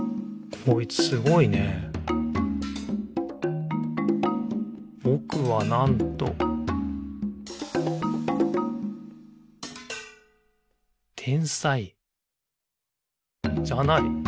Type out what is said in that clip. こいつすごいね「ぼくは、なんと・・」「天才」じゃない！？